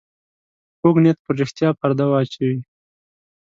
کوږ نیت پر رښتیا پرده واچوي